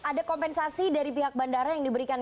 ada kompensasi dari pihak bandara yang diberikan